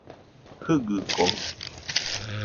Jɨgɨkojɨ